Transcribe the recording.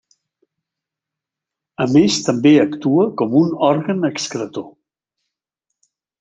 A més també actua com un òrgan excretor.